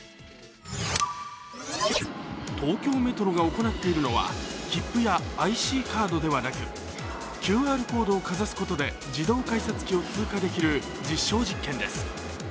東京メトロが行っているのは切符やＩＣカードではなく、ＱＲコードをかざすことで自動改札機を通過できる実証実験です。